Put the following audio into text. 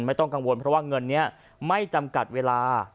ไม่ต้องกังวลเพราะว่าเงินนี้ไม่จำกัดเวลา